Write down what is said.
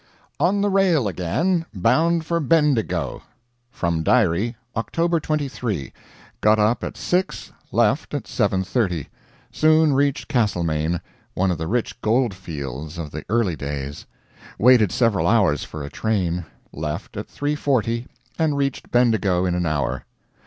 On the rail again bound for Bendigo. From diary: October 23. Got up at 6, left at 7.30; soon reached Castlemaine, one of the rich gold fields of the early days; waited several hours for a train; left at 3.40 and reached Bendigo in an hour.